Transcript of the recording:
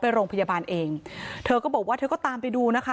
ไปโรงพยาบาลเองเธอก็บอกว่าเธอก็ตามไปดูนะคะ